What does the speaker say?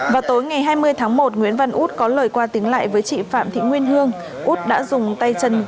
vào tối ngày hai mươi tháng một nguyễn văn út có lời qua tiếng lại với chị phạm thị nguyên hương út đã dùng tay chân